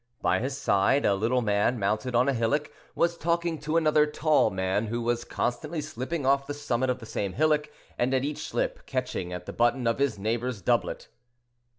By his side a little man, mounted on a hillock, was talking to another tall man who was constantly slipping off the summit of the same hillock, and at each slip catching at the button of his neighbor's doublet.